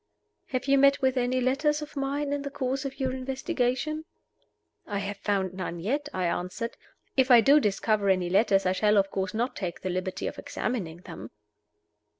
"Have you met with any letters of mine in the course of your investigations?" "I have found none yet," I answered. "If I do discover any letters, I shall, of course, not take the liberty of examining them."